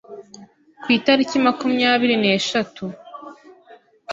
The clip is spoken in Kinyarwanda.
ku itariki makumyabiri neshatu